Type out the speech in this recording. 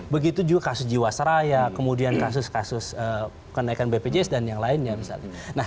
begitu juga kasus jiwasraya kemudian kasus kasus kenaikan bpjs dan yang lainnya misalnya